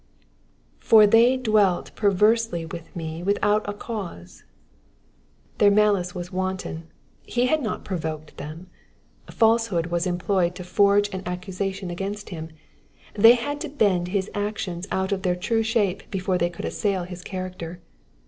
''For they dealt perveruly with me toithaut a oawttf." Their malice was wanton, he had not provoked them. Falsehood was employed to forge an accusation against him ; they had to bend his actions out of their true shape before they could assail his character.